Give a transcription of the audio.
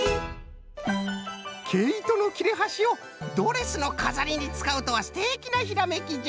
けいとのきれはしをドレスのかざりにつかうとはすてきなひらめきじゃ！